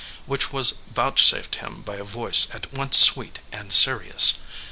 which was vouchsafed him by a voice at once sweet and serious.